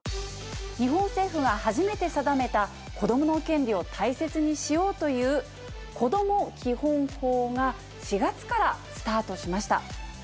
日本政府が初めて定めた子供の権利を大切にしようというこども基本法が４月からスタートしました。